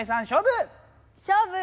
勝負！